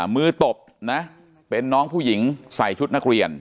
ตบนะเป็นน้องผู้หญิงใส่ชุดนักเรียน